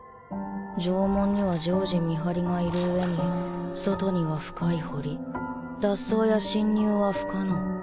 城門には常時見張りがいる上に外には深い堀脱走や侵入は不可能。